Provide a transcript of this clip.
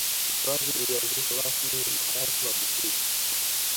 hifadhi ilianzishwa rasmi na hayati magufuli